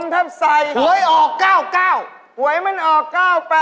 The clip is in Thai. ไม่มีอยู่ไหนแล้วนะ